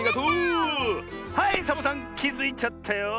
はいサボさんきづいちゃったよ！